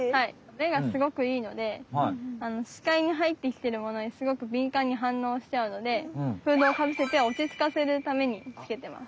目がすごくいいのでしかいにはいってきてるものにすごくびんかんに反応しちゃうのでフードをかぶせて落ち着かせるためにつけてます。